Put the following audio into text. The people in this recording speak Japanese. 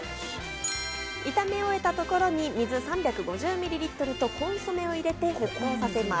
炒め終えたところに水３５０ミリリットルとコンソメを入れて沸騰させます。